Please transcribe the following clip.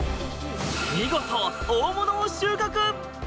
見事、大物を収穫。